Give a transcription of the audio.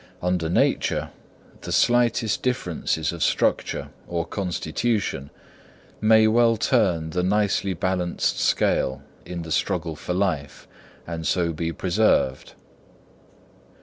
Under nature, the slightest differences of structure or constitution may well turn the nicely balanced scale in the struggle for life, and so be preserved.